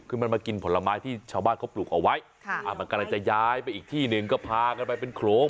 คือมันมากินผลไม้ที่ชาวบ้านเขาปลูกเอาไว้มันกำลังจะย้ายไปอีกที่หนึ่งก็พากันไปเป็นโครง